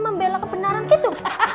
membela kebenaran gitu